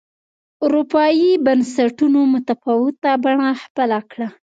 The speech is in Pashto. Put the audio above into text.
اروپايي بنسټونو متفاوته بڼه خپله کړه.